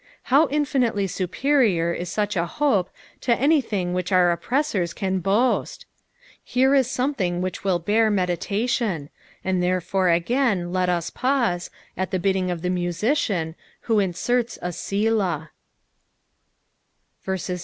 How infinitely superior is such a hope to anything which our oppressor can boast 1 Here is something which will bear meditation, and therefore again let us pause, at the bidding of the musician, who inserts a " iSUoA."